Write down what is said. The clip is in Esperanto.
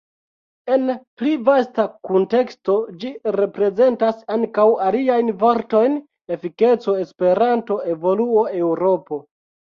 En pli vasta kunteksto ĝi reprezentas ankaŭ aliajn vortojn: Efikeco, Esperanto, Evoluo, Eŭropo.